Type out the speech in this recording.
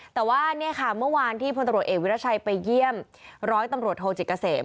แต่ว่าเมื่อวานที่พตเอกวิรัชชัยไปเยี่ยมร้อยตโฮจิกเกษม